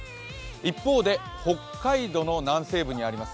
一方で北海道の南西部にあります